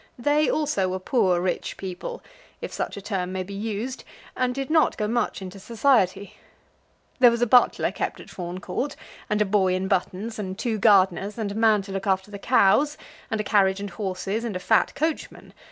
They also were poor rich people, if such a term may be used, and did not go much into society. There was a butler kept at Fawn Court, and a boy in buttons, and two gardeners, and a man to look after the cows, and a carriage and horses, and a fat coachman.